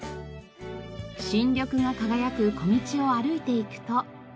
新緑が輝く小道を歩いて行くと。